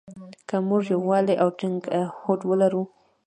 که مونږ يووالی او ټينګ هوډ ولرو.